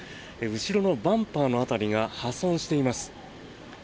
後ろのバンパーの辺りが破損しています。